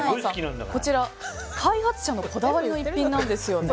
開発者のこだわりの一品なんですよね。